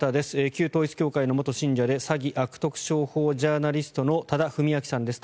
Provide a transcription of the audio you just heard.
旧統一教会の元信者で詐欺・悪質商法ジャーナリストの多田文明さんです。